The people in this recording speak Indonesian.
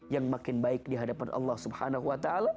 yang makin baik dihadapan allah swt